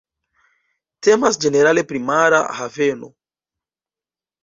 Temas ĝenerale pri mara haveno.